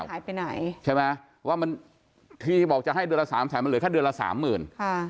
ใช่ไหมว่าที่บอกจะให้เดือนละ๓แสนมันเหลือแค่เดือนละ๓หมื่น